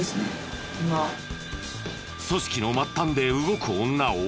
組織の末端で動く女を追い続け